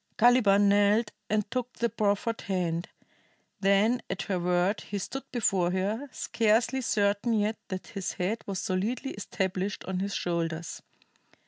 Caliban knelt and took the proffered hand, then at her word he stood before her, scarcely certain yet that his head was solidly established on his shoulders.